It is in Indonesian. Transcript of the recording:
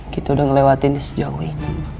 kita udah ngelewatin sejauh ini